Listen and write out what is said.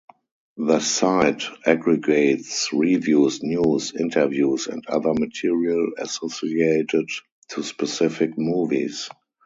The site aggregates reviews, news, interviews, and other material associated to specific movies.